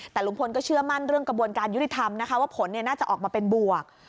แต่ลุงพลก็เชื่อมั่นเรื่องกระบวนการยุติธรรมนะคะว่าผลน่าจะออกมาเป็นบวก